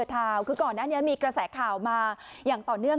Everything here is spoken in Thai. อร์ทาวน์คือก่อนนั้นเนี้ยมีกระแสข่าวมาอย่างต่อเนื่อง